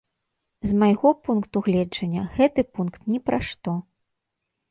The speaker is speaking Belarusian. З майго пункту гледжання, гэты пункт ні пра што.